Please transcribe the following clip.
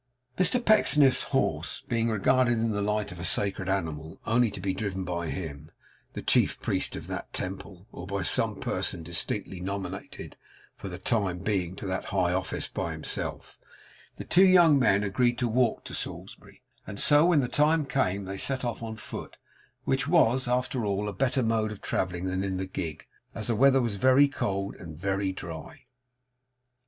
Mr Pecksniff's horse being regarded in the light of a sacred animal, only to be driven by him, the chief priest of that temple, or by some person distinctly nominated for the time being to that high office by himself, the two young men agreed to walk to Salisbury; and so, when the time came, they set off on foot; which was, after all, a better mode of travelling than in the gig, as the weather was very cold and very dry.